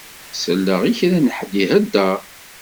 Selleɣ i kra n ḥedd iheddeṛ.